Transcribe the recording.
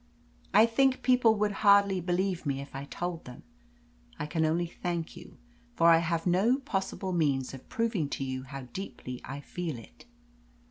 I think people would hardly believe me if I told them. I can only thank you; for I have no possible means of proving to you how deeply I feel it.